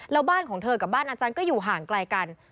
แล้วบ้านของเธอกับบ้านอาจารย์ก็อยู่ห่างไกลกัน